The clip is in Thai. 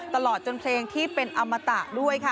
ตลอดจนเพลงที่เป็นอมตะด้วยค่ะ